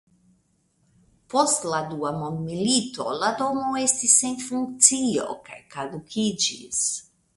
Post la Dua mondmilito la domo estis sen funkcio kaj kadukiĝis.